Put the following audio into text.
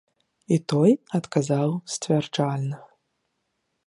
І той адказаў сцвярджальна.